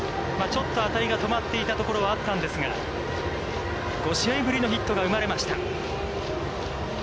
ちょっと当たりが止まっていたところはあったんですが、５試合ぶりのヒットが生まれました。